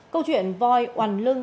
câu chuyện voi hoàn lưng